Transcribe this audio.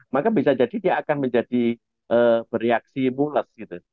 maka bisa jadi dia akan menjadi bereaksi mules gitu